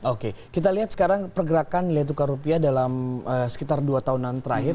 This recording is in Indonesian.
oke kita lihat sekarang pergerakan nilai tukar rupiah dalam sekitar dua tahunan terakhir